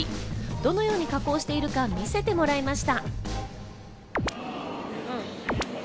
どのように加工しているか見せてもらいました。